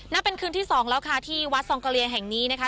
นับเป็นคืนที่สองแล้วค่ะที่วัดซองกะเลียแห่งนี้นะคะ